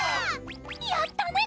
やったね